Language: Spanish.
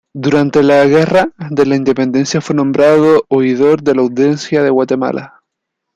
Durante la Guerra de la Independencia fue nombrado oidor de la Audiencia de Guatemala.